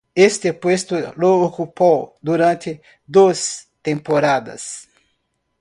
Este puesto lo ocupó durante dos temporadas.